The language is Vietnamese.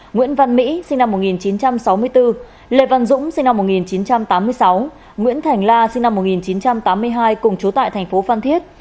nguyễn văn mỹ sinh năm một nghìn chín trăm sáu mươi bốn lê văn dũng sinh năm một nghìn chín trăm tám mươi sáu nguyễn thành la sinh năm một nghìn chín trăm tám mươi hai cùng chú tại thành phố phan thiết